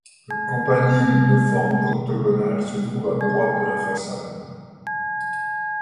Le campanile de forme octogonale se trouve à droite de la façade.